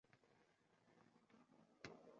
Kuzlarimda qalqib tursa yosh